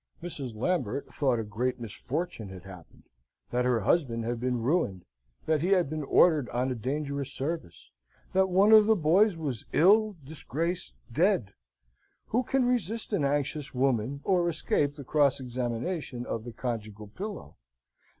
Mrs. Lambert thought a great misfortune had happened; that her husband had been ruined; that he had been ordered on a dangerous service; that one of the boys was ill, disgraced, dead; who can resist an anxious woman, or escape the cross examination of the conjugal pillow?